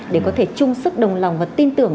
để có thể chung sức đồng lòng và tin tưởng